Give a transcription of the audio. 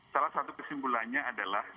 salah satu kesimpulannya adalah